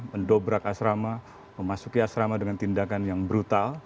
mendobrak asrama memasuki asrama dengan tindakan yang brutal